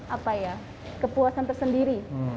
apa ya kepuasan tersendiri